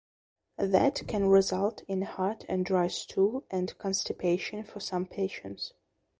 That can result in hard and dry stool and constipation for some patients.